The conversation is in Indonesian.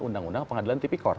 undang undang pengadilan tipi korps